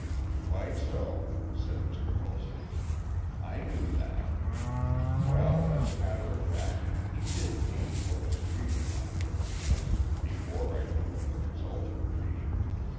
" Quite so," said Mr. Vulsame. " I knew that. Well, as a matter of fact, he did pay me what was agreed upon between us, before I knew what the result would be.